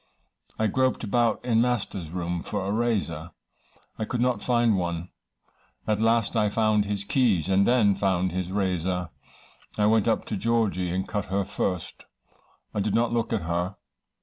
I groped about in master's room for a razor I could not find one at last I found his keys, and then found his razor. I went up to Georgy, and cut her first; I did not look at her.